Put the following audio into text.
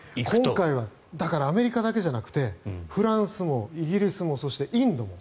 今回はアメリカだけじゃなくてフランスも、イギリスもそしてインドも。